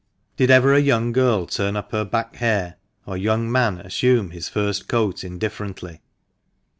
Did ever a young girl turn up her back hair, or young man assume his first coat indifferently?